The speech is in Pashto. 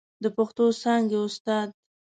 د پښتو څانګې استاد